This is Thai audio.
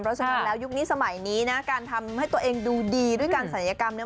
เพราะฉะนั้นแล้วยุคนี้สมัยนี้นะการทำให้ตัวเองดูดีด้วยการศัลยกรรมเนี่ย